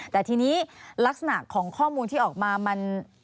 แต่ทีนี้ลักษณะของข้อมูลที่ออกมามัน